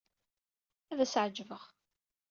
Ad as-ɛejbeɣ.